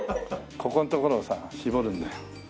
ここんところをさ絞るんだよ。